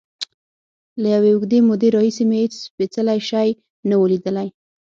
له یوې اوږدې مودې راهیسې مې هېڅ سپېڅلی شی نه و لیدلی.